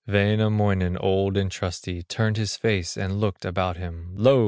Wainamoinen, old and trusty, Turned his face, and looked about him, Lo!